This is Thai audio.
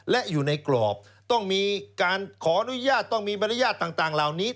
และอยู่ในกรอบต้องมีการขออนุญาตต้องมีมารยาทต่างเหล่านี้